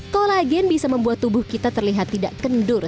kolagen bisa membuat tubuh kita terlihat tidak kendur